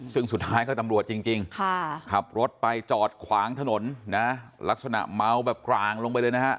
ซึ่งสุดท้ายก็ตำรวจจริงขับรถไปจอดขวางถนนนะลักษณะเมาแบบกลางลงไปเลยนะฮะ